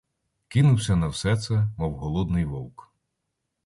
Кинувся на все це, мов голодний вовк.